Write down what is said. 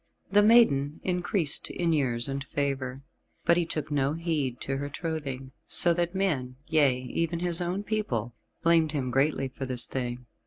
The maiden increased in years and favour, but he took no heed to her trothing, so that men yea, even his own people blamed him greatly for this thing.